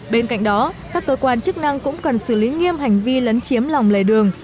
bên cạnh đó các cơ quan chức năng cũng cần xử lý nghiêm hành vi lấn chiếm lòng lề đường